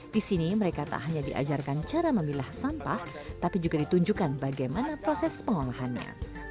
di sini mereka tak hanya diajarkan cara memilah sampah tapi juga ditunjukkan bagaimana proses pengolahannya